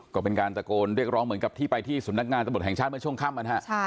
ก็เป็นการตะโกนเรียกร้องเหมือนกับที่ไปที่สำนักงานตำรวจแห่งชาติเมื่อช่วงค่ำ